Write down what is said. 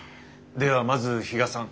ではまず比嘉さん。